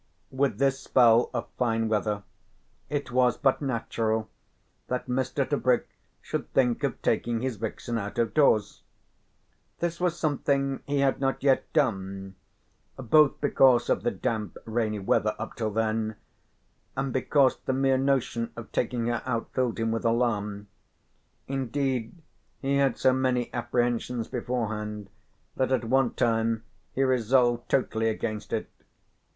With this spell of fine weather it was but natural that Mr. Tebrick should think of taking his vixen out of doors. This was something he had not yet done, both because of the damp rainy weather up till then and because the mere notion of taking her out filled him with alarm. Indeed he had so many apprehensions beforehand that at one time he resolved totally against it.